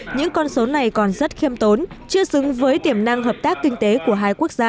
những con số này còn rất khiêm tích